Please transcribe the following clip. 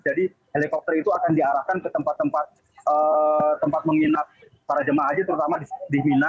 jadi helikopter itu akan diarahkan ke tempat tempat menginap para jemaah haji terutama di mina